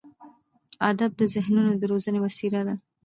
ادب د ذهنونو د روزنې وسیله ده.